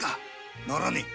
ならねえ。